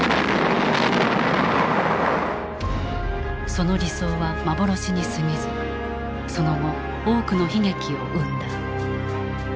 その理想は幻にすぎずその後多くの悲劇を生んだ。